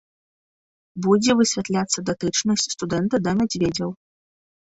Будзе высвятляцца датычнасць студэнта да мядзведзяў.